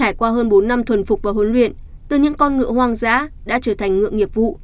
trải qua hơn bốn năm thuần phục và huấn luyện từ những con ngựa hoang dã đã trở thành ngựa nghiệp vụ